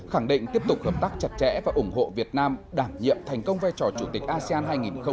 khẳng định tiếp tục hợp tác chặt chẽ và ủng hộ việt nam đảm nhiệm thành công vai trò chủ tịch asean hai nghìn hai mươi